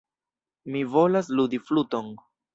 Mi volas ludi fluton.